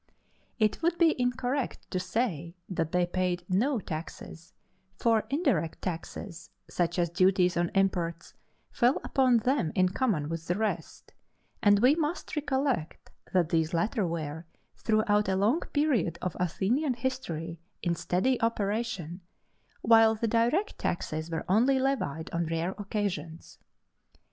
It would be incorrect to say that they paid no taxes, for indirect taxes, such as duties on imports, fell upon them in common with the rest; and we must recollect that these latter were, throughout a long period of Athenian history, in steady operation, while the direct taxes were only levied on rare occasions.